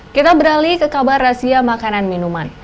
kita beralih ke kabar razia makanan minuman